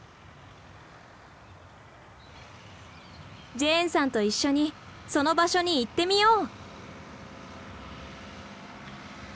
ジェーンさんと一緒にその場所に行ってみよう。